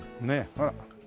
ほら。